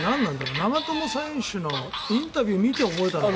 長友選手のインタビューを見て覚えたのかな。